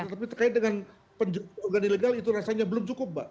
tapi terkait dengan organ ilegal itu rasanya belum cukup mbak